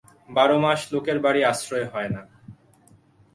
বারো মাস লোকের বাড়ি আশ্রয় হয় না।